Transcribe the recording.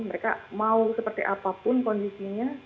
mereka mau seperti apapun kondisinya